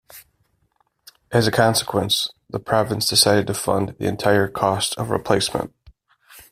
As a consequence, the province decided to fund the entire cost of replacement.